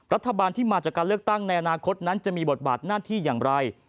รัฐบาลที่มาจากการเลือกตั้งในอนาคตนั้นจะมีบทบาทหน้าที่อย่างไร